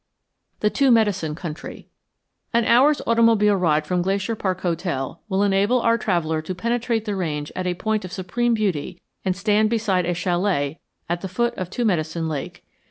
THE TWO MEDICINE COUNTRY An hour's automobile ride from Glacier Park Hotel will enable our traveller to penetrate the range at a point of supreme beauty and stand beside a chalet at the foot of Two Medicine Lake.